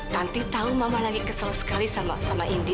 tanti tau mama lagi kesel sekali sama indi